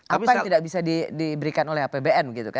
apa yang tidak bisa diberikan oleh apbn